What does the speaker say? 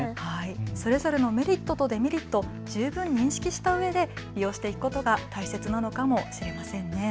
それぞれのメリットとデメリット、十分認識したうえで利用していくことが大切なのかもしれませんね。